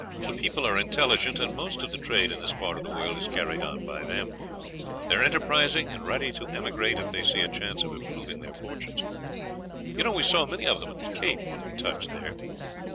The people are intelligent, and most of the trade in this part of the world is carried on by them. They are enterprising, and ready to emigrate if they see a chance of improving their fortunes. You know we saw many of them at the Cape when we touched there.